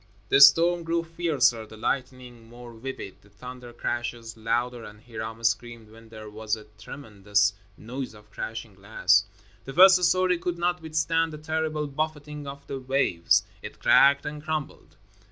The storm grew fiercer, the lightning more vivid, the thunder crashes louder, and Hiram screamed when there was a tremendous noise of crashing glass. The first story could not withstand the terrible buffeting of the waves. It cracked and crumbled.